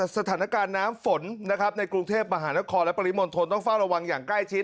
สถานการณ์น้ำฝนนะครับในกรุงเทพมหานครและปริมณฑลต้องเฝ้าระวังอย่างใกล้ชิด